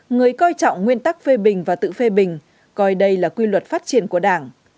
người coi trọng nguyên tắc phê bình và tự phê bình coi đây là quy luật phát triển của đảng